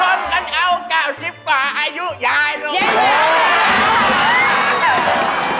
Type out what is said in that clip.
รวมกันเอา๙๐ดังอายุยายเร็ว